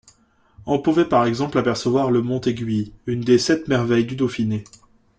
On pouvait par exemple apercevoir le Mont Aiguille, une des sept merveilles du Dauphiné.